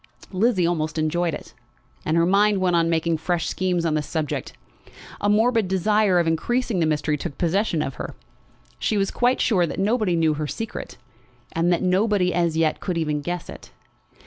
Lizzie almost enjoyed it. As her mind went on making fresh schemes on the subject, a morbid desire of increasing the mystery took possession of her. She was quite sure that nobody knew her secret, and that nobody as yet could even guess it.